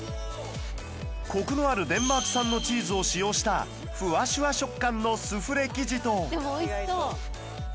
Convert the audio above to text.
コクのあるデンマーク産のチーズを使用したふわしゅわ食感のスフレ生地とでもおいしそう！